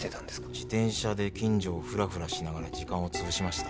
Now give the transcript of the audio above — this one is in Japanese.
自転車で近所をフラフラしながら時間を潰しました